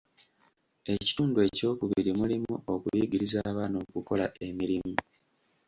Ekitundu ekyokubiri mulimu okuyigiriza abaana okukola emirimu.